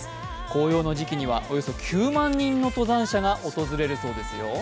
紅葉の時期にはおよそ９万人の登山者が訪れるそうですよ。